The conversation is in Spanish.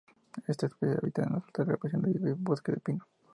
Esta especie habita en altas elevaciones y vive en bosques de pino.